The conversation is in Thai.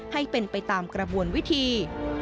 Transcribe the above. ให้เป็นไปตามกระบวนวิธี